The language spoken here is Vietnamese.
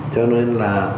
cho nên là